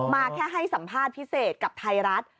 แค่ให้สัมภาษณ์พิเศษกับไทยรัฐ